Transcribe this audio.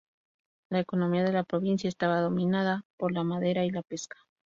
La economía de la provincia estaba dominada por la madera y la pesca.